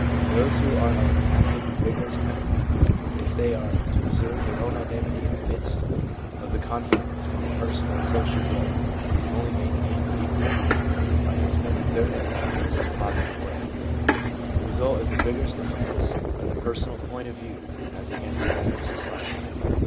Those who are of an active and vigorous temperament, if they are to preserve their own identity in the midst of the conflict between the personal and social will, can only maintain their equilibrium by expending their energy in some positive way ; the result is a vigorous defence of the personal point of view as against that of society.